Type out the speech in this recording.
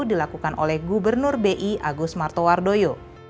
dilakukan oleh gubernur bi agus martowardoyo